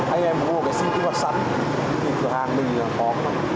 anh em muốn mua sim kích hoạt sẵn thì cửa hàng mình là khó không ạ